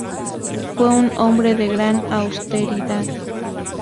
Fue un hombre de gran austeridad.